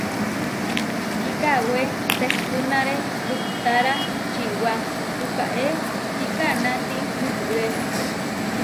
Kikawé tehpúnare kuhtára čiwá pukaé kikanáti mukuré.